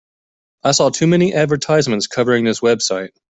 I saw too many advertisements covering this website.